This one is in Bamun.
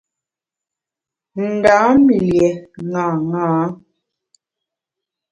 Ndam lié ṅaṅâ.